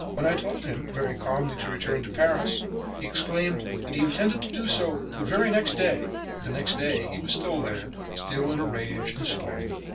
When I told him, very calmly, to return to Paris, he exclaimed that he intended to do so the very next day; but the next day he was still there, still in a rage and swearing.